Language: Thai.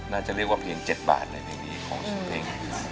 น่าจะเรียกว่าเพลงเจ็ดบาทในเพลงนี้ของสุทธิ์เพลงอืม